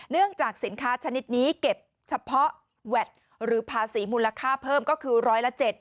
เนื่องจากสินค้าชนิดนี้เก็บเฉพาะแวดหรือภาษีมูลค่าเพิ่มก็คือร้อยละ๗